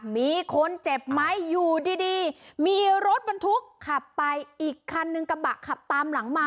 มีคนเจ็บไหมอยู่ดีดีมีรถบรรทุกขับไปอีกคันนึงกระบะขับตามหลังมา